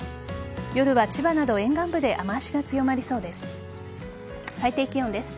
夜は千葉など沿岸部で雨脚が強まりそうです。